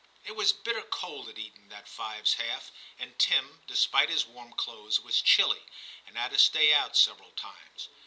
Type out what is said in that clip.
It was bitter cold at Eton that fives half, and Tim, despite his warm clothes, was chilly, and had to stay out several times.